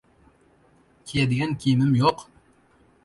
Kiyadigan kiyimim yo‘q...